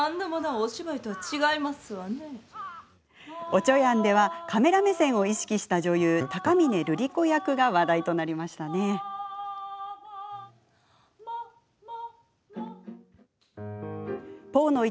「おちょやん」ではカメラ目線を意識した女優高峰ルリ子役が話題となりました。